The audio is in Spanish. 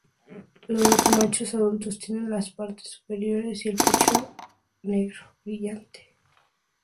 Los machos adultos tienen las partes superiores y el pecho negro brillante.